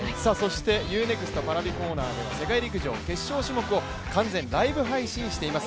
Ｕ−ＮＥＸＴＰａｒａｖｉコーナーでは世界陸上ライブ配信しています。